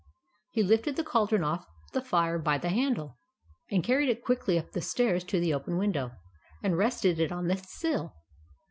He lifted the cauldron off the fire by the handle, and carried it quickly up the stairs to the open window, and rested it on the sill.